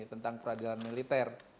tentang peradilan militer